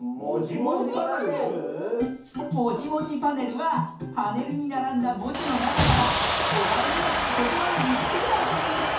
「もじもじパネル」はパネルにならんだもじのなかからおだいにあったことばをみつけるあそびです！